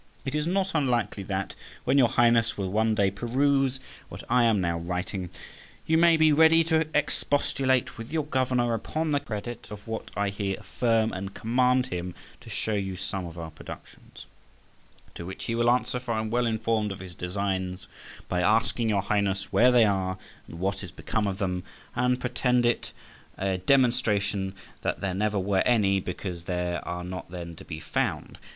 It is not unlikely that, when your Highness will one day peruse what I am now writing, you may be ready to expostulate with your governor upon the credit of what I here affirm, and command him to show you some of our productions. To which he will answer—for I am well informed of his designs—by asking your Highness where they are, and what is become of them? and pretend it a demonstration that there never were any, because they are not then to be found.